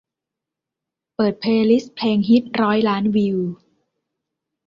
เปิดเพลย์ลิสต์เพลงฮิตร้อยล้านวิว